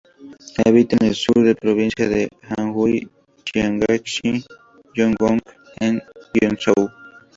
Habita en el sur de la provincia de Anhui, Jiangxi y Guangdong en Guizhou.